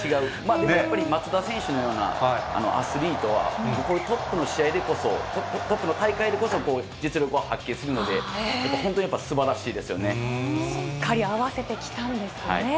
でも、やっぱり松田選手のようなアスリートは、トップの試合でこそ、トップの大会でこそ実力を発揮するので、やっぱ本当に、やっぱす合わせてきたんですね。